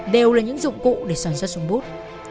đều là những dụng cụ để sản xuất súng bút